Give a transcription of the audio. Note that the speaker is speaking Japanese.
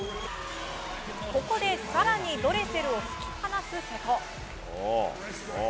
ここで更にドレセルを引き離す瀬戸。